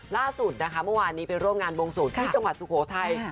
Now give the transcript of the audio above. ล่าสุดนะคะเมื่อวานนี้ไปร่วมงานวงสูตรที่จังหวัดสุโขทัย